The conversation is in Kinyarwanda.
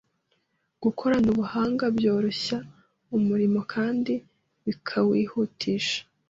Gukorana ubuhanga byoroshya umurimo kandi bikawihutisha